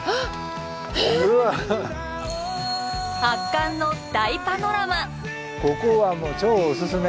圧巻の大パノラマ！